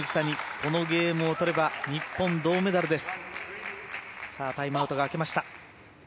このゲームをとれば日本、銅メダルです。